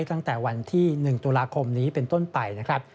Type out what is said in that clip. ตั้งแต่วันที่๑ตุลาคมนี้เป็นต้นไปนะครับ